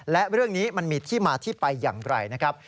และเรื่องนี้มันมีที่มาที่ไปอย่างไรนะครับ